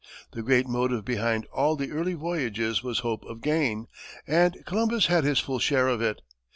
The great motive behind all the early voyages was hope of gain, and Columbus had his full share of it.